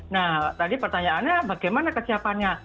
nah tadi pertanyaannya bagaimana kesiapannya